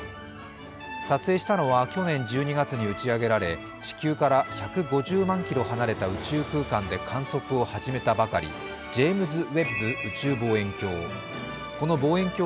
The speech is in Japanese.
撮影したのは去年１２月に打ち上げられ地球から１５０万キロ離れた宇宙空間で観測を始めたばかりのジェームズ・ウェッブ宇宙望遠鏡。